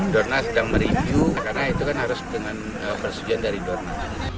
dorna sedang mereview karena itu kan harus dengan persetujuan dari dorna